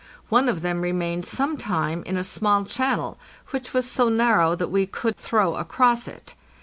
One of them remained some time in a small channel, which was so narrow that we could throw across it.